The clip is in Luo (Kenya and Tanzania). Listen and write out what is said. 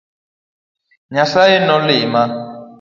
Nyasaye nolima.